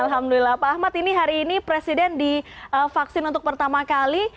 alhamdulillah pak ahmad ini hari ini presiden divaksin untuk pertama kali